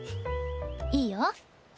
いいよ。